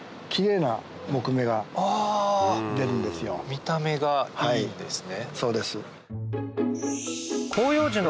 見た目がいいんですね。